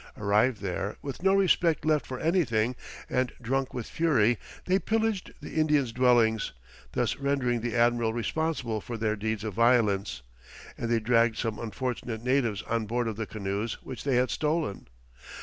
Arrived there, with no respect left for anything, and drunk with fury, they pillaged the Indians' dwellings thus rendering the admiral responsible for their deeds of violence and they dragged some unfortunate natives on board of the canoes which they had stolen.